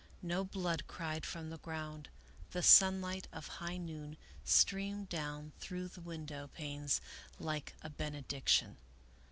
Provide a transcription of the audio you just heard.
No blood cried from the ground. The sunlight of high noon streamed down through the window panes like a benediction.